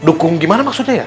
dukung gimana maksudnya ya